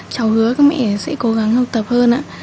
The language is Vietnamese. cháu hứa các mẹ sẽ cố gắng học tập hơn